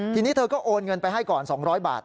ทีนี้เธอก็โอนเงินไปให้ก่อน๒๐๐บาท